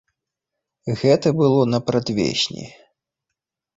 Гэта было на прадвесні.